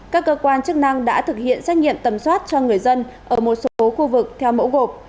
các cơ quan chức năng đã thực hiện xét nghiệm tầm soát cho người dân ở một số khu vực theo mẫu gộp